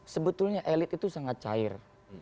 sebetulnya elit itu sangat cair